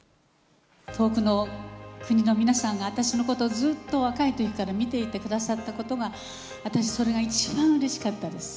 遠くの国の皆さんが、私のことをずっと若いときから見ていてくださったことが、私、それが一番うれしかったです。